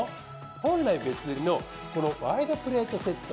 本来別売りのこのワイドプレートセット。